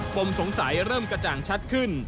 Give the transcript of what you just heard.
มสงสัยเริ่มกระจ่างชัดขึ้น